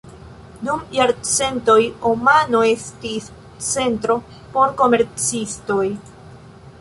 Dum jarcentoj, Omano estis centro por komercistoj.